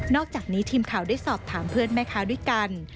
อกจากนี้ทีมข่าวได้สอบถามเพื่อนแม่ค้าด้วยกัน